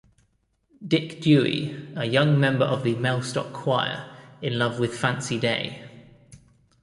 Dick Dewy, a young member of the Mellstock Choir, in love with Fancy Day.